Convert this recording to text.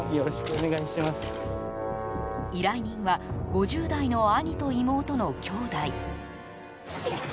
依頼人は５０代の兄と妹の兄妹。